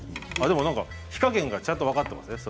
でもなんか火加減がちゃんと分かってますね。